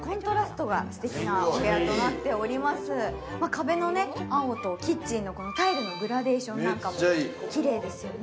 壁の青とキッチンのタイルのグラデーションもきれいですよね。